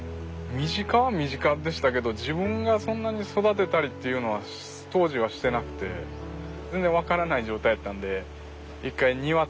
身近は身近でしたけど自分がそんなに育てたりっていうのは当時はしてなくて全然分からない状態やったんで「一回庭造ってみろ」って言われて。